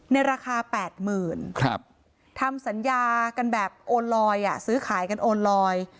ในราคาแปดหมื่นครับทำสัญญากันแบบโอนลอยอ่ะซื้อขายกันโอนลอย